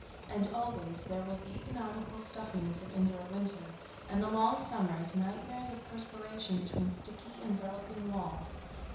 And always there was the economical stuffiness of indoor winter, and the long summers, nightmares of perspiration between sticky enveloping walls...